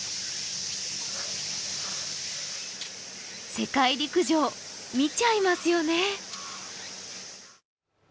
世界陸上、見ちゃいますよね。